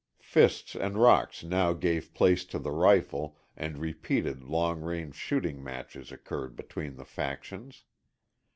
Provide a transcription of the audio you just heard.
Fists and rocks now gave place to the rifle and repeated long range shooting matches occurred between the factions.